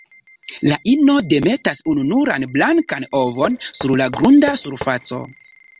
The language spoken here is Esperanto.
La ino demetas ununuran blankan ovon sur la grunda surfaco.